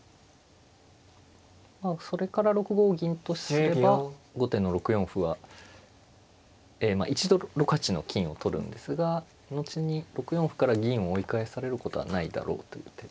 それから６五銀とすれば後手の６四歩はえまあ一度６八の金を取るんですが後に６四歩から銀を追い返されることはないだろうという手ですね。